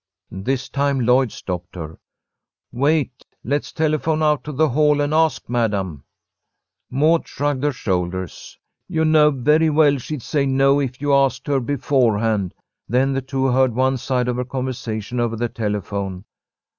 This time Lloyd stopped her. "Wait! Let's telephone out to the Hall and ask Madam." Maud shrugged her shoulders. "You know very well she'd say no if you asked her beforehand." Then the two heard one side of her conversation over the telephone.